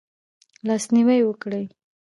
لاس نیوی وکړئ